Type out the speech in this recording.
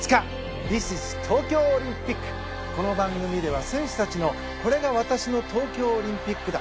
この番組では選手たちのこれが私の東京オリンピックだ。